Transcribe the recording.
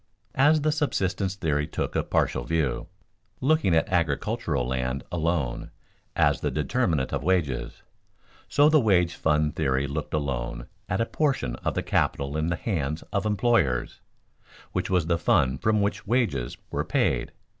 _ As the subsistence theory took a partial view, looking at agricultural land alone as the determinant of wages, so the wage fund theory looked alone at a portion of the capital in the hands of employers which was the fund from which wages were paid.